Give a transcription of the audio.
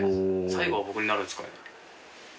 最後は僕になるんですかね。